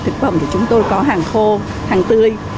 thực phẩm thì chúng tôi có hàng khô hàng tươi